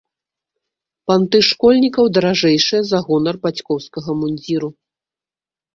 Панты школьнікаў даражэйшыя за гонар бацькоўскага мундзіру.